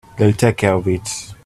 They'll take care of it.